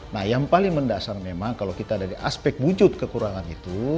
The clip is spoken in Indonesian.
nah yang paling mendasar memang kalau kita dari aspek wujud kekurangan itu